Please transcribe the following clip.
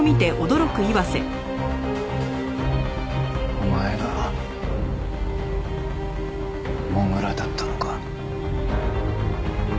お前が土竜だったのか。